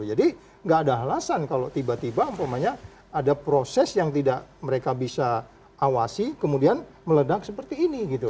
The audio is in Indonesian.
jadi gak ada alasan kalau tiba tiba umpamanya ada proses yang tidak mereka bisa awasi kemudian meledak seperti ini gitu